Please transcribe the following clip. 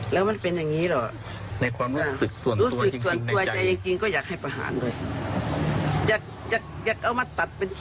แล้วมันเป็นอย่างงี้หรอจูงในอาจารย์